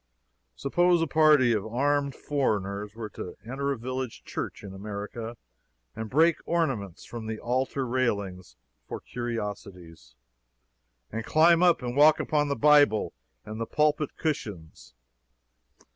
Suppose a party of armed foreigners were to enter a village church in America and break ornaments from the altar railings for curiosities, and climb up and walk upon the Bible and the pulpit cushions?